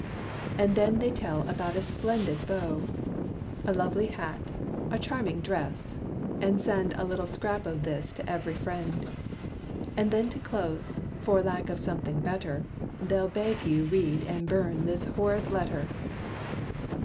And then they tell about a splendid beau A lovely hat a charming dress, and send A little scrap of this to every friend. And then to close, for lack of something better, They beg you'll 'read and burn this horrid letter.'"